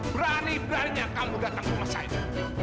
berani beraninya kamu datang ke rumah saya